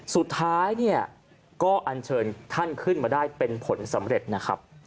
สุดท้ายเนี่ยก็อันเชิญท่านขึ้นมาได้เป็นผลสำเร็จนะครับ